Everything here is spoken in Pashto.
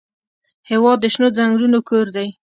هېواد د شنو ځنګلونو کور دی.